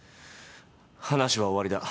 話は終わりだ。